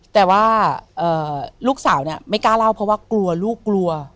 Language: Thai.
แต่ว่าลูกสาวเนี่ยไม่กล้าเล่าเพราะว่ากลัวลูกกลัว